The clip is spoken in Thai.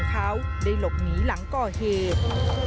พลอยลูกสาวของเขาได้หลบหนีหลังก่อเหตุ